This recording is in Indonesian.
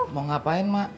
mau ngapain mak